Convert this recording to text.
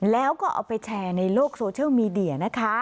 แล้วก็เอาไปแชร์ในโลกโซเชียลมีเดียนะคะ